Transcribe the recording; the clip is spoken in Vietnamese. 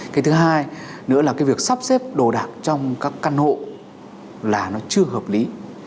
cái thứ hai nữa là cái việc sắp xếp đồ đạc trong các căn hộ là nó chưa hợp lý